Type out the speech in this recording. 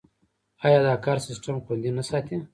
آیا دا کار سیستم خوندي نه ساتي؟